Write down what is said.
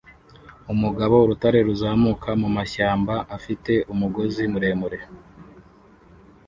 Umugabo urutare ruzamuka mumashyamba afite umugozi muremure